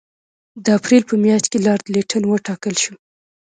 د اپرېل په میاشت کې لارډ لیټن وټاکل شو.